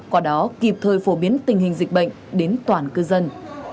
qua đó kịp thời phổ biến tình hình dịch bệnh đến toàn cư dân